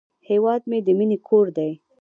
هیواد مې د مینې کور دی